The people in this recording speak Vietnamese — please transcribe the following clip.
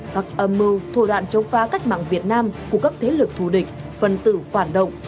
các âm mưu thủ đoạn chống phá cách mạng việt nam của các thế lực thù địch phân tử phản động